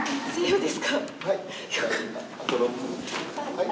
はい。